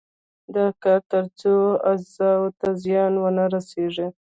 دا کار تر څو عضلو ته زیان ونه رسېږي.